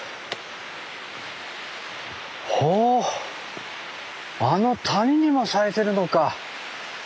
ほおあの谷にも咲いてるのか。